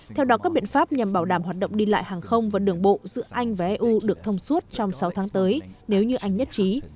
theo đó các biện pháp nhằm bảo đảm hoạt động đi lại hàng không và đường bộ giữa anh và eu được thông suốt trong sáu tháng tới nếu như anh nhất trí